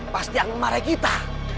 pasti yang memarahi kita